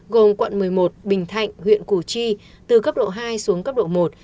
gồm quận một mươi một bình thạnh huyện củ chi từ cấp độ hai xuống cấp độ một